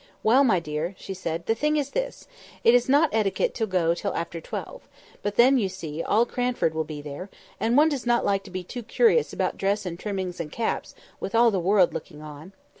"Well, my dear," she said, "the thing is this: it is not etiquette to go till after twelve; but then, you see, all Cranford will be there, and one does not like to be too curious about dress and trimmings and caps with all the world looking on.